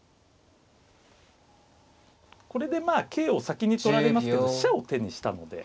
これでまあ桂を先に取られますけど飛車を手にしたので。